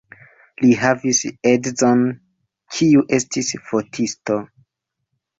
Li havis edzon, kiu estis fotisto.